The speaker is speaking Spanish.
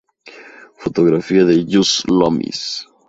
Fotografía de Just Loomis.